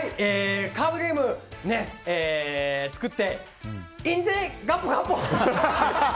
カードゲーム作って印税ガッポガッポ！